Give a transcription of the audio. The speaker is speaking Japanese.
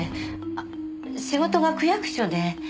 あ仕事が区役所で。